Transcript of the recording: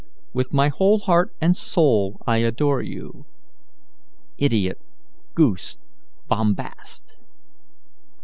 With my whole heart and soul I adore you Idiot! goose! bombast!"